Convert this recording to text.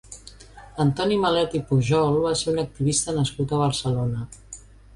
Antoni Malet i Pujol va ser un activista nascut a Barcelona.